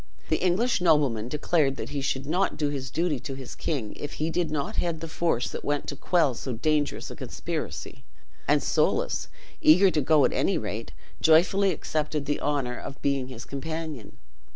The English nobleman declared that he should not do his duty to his king if he did not head the force that went to quell so dangerous a conspiracy; and Soulis, eager to go at any rate, joyfully accepted the honor of being his companion.